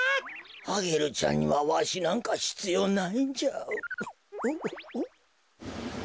アゲルちゃんにはわしなんかひつようないんじゃ。